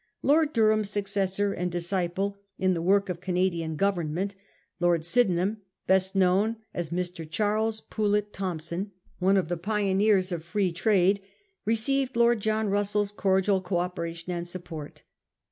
Lord Durham's successor and disciple in the work of Canadian government, Lord Sydenham — best known as Mr. Charles Poulett Thomson, one of the pioneers of free trade — received Lord John Russell's cordial co operation and support.